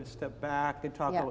jadi saya akan bergerak kembali